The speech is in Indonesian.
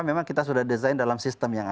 memang kita sudah desain dalam sistem yang ada